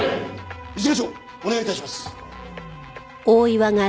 一課長お願い致します。